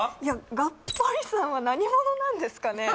ガッポリさんは何者なんですかね？